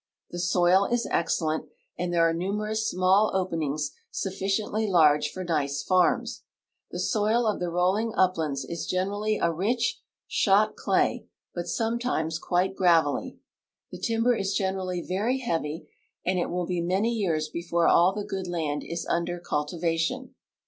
The soil is excellent, and there are numerous small oi)enings sufficiently large for nice farms. The soil of the rolling u|)lands is generally a rich, shot clay, but sometimes quite gravelly. The timber is generally very heavy and it will l)e many years before all the goo<l land is under cultivation.